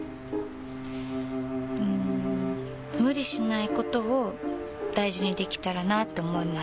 うん無理しないことを大事にできたらなって思います。